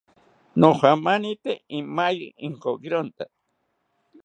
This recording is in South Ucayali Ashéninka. Nojamanite imaye inkokironta